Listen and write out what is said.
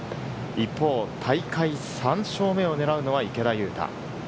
一方、大会３勝目を狙うのは池田勇太。